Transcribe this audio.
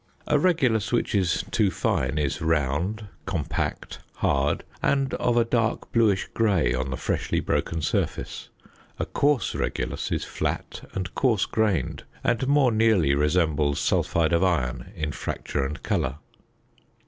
A regulus which is too fine is round, compact, hard, and of a dark bluish grey on the freshly broken surface. A coarse regulus is flat and coarse grained, and more nearly resembles sulphide of iron in fracture and colour.